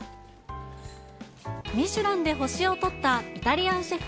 ミシュランで星をとったイタリアンシェフ